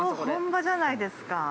◆本場じゃないですか。